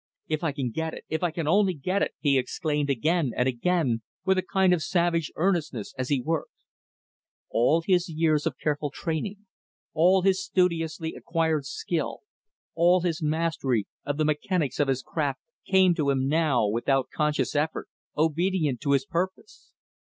"If I can get it! If I can only get it!" he exclaimed again and again, with a kind of savage earnestness, as he worked. All his years of careful training, all his studiously acquired skill, all his mastery of the mechanics of his craft, came to him, now, without conscious effort obedient to his purpose.